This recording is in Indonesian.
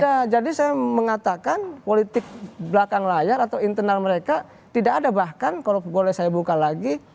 ya jadi saya mengatakan politik belakang layar atau internal mereka tidak ada bahkan kalau boleh saya buka lagi